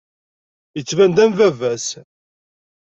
Yettban-d am baba-s.